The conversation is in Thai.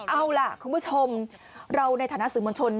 เอาล่ะคุณผู้ชมเราในฐานะสื่อมวลชน